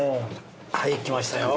はい来ましたよ。